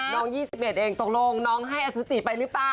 น้อง๒๑เองตกลงน้องให้อสุจิไปหรือเปล่า